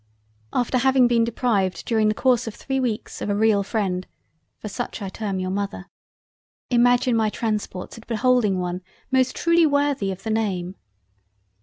After having been deprived during the course of 3 weeks of a real freind (for such I term your Mother) imagine my transports at beholding one, most truly worthy of the Name.